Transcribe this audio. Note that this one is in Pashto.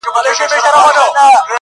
هر څوک خپل درد لري تل،